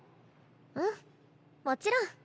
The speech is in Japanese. うんもちろん。